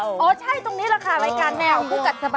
แม่งต้อนนี้แหละค่ะย่ายแต่ย่ายชื่อยังคะ